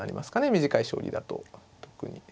短い将棋だと特に。